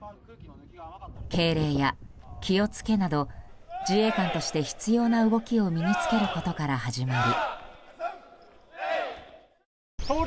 敬礼や気を付けなど自衛官として必要な動きを身に付けることから始まり。